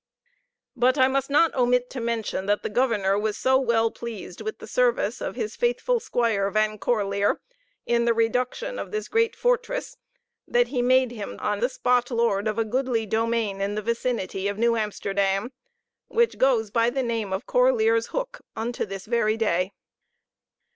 But I must not omit to mention that the governor was so well pleased with the service of his faithful squire Van Corlear, in the reduction of this great fortress, that he made him on the spot lord of a goodly domain in the vicinity of New Amsterdam, which goes by the name of Corlear's Hook unto this very day.